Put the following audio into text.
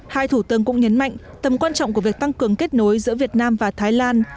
hai thủ tướng cũng nhấn mạnh tầm quan trọng của việc tăng cường kết nối giữa việt nam và thái lan